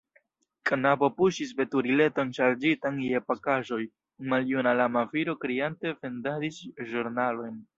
Knabo puŝis veturileton ŝarĝitan je pakaĵoj; maljuna lama viro kriante vendadis ĵurnalojn.